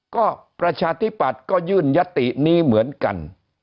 ก็ประชาธิปัตย์ก็ยื่นยตินี้เหมือนกัน